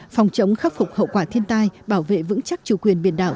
phòng chống khắc phục hậu quả thiên tai bảo vệ vững chắc chủ quyền biển đảo